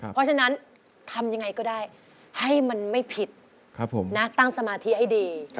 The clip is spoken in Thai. เพราะฉะนั้นทำยังไงก็ได้ให้มันไม่ผิดนะตั้งสมาธิให้ดี